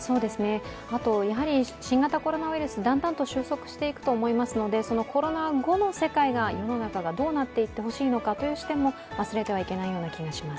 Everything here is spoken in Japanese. あとやはり新型コロナウイルスだんだんと収束していくと思いますのでコロナ後の世界、世の中がどうなっていってほしいのかという視点も忘れてはいけないような気がします。